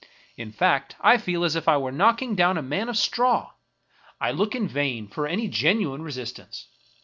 In fact, I feel as if I were knocking down a man of straw. I look in 12 Julian Hawthorne vain for any genuine resistance.